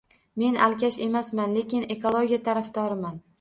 Men alkash emasman, lekin ekologiya tarafdoriman